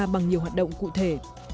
bằng nhiều hoạt động cụ thể